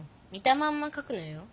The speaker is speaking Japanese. まんまかくのよ。